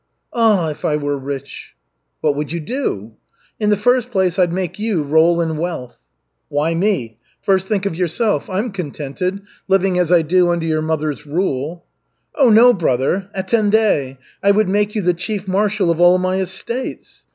Ah, if I were rich!" "What would you do?" "In the first place, I'd make you roll in wealth." "Why me? First think of yourself. I'm contented, living as I do under your mother's rule." "Oh, no, brother, attendez! I would make you the chief marshal of all my estates.